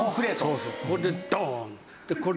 でこれでドーン！